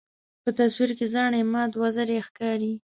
په تصویر کې زاڼې مات وزرې ښکاري.